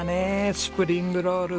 スプリングロール。